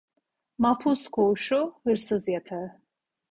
Mahpus koğuşu, hırsız yatağı.